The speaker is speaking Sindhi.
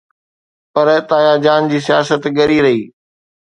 پر تايا جان جي سياست ڳري رهي.